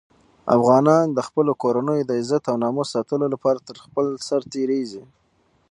افغانان د خپلو کورنیو د عزت او ناموس ساتلو لپاره تر خپل سر تېرېږي.